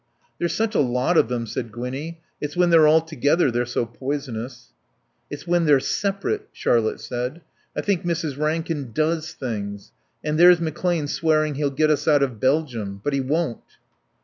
"There's such a lot of them," said Gwinnie. "It's when they're all together they're so poisonous." "It's when they're separate," Charlotte said. "I think Mrs. Rankin does things. And there's McClane swearing he'll get us out of Belgium. But he won't!"